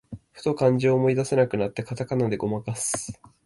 ふと漢字を思い出せなくなって、カタカナでごまかす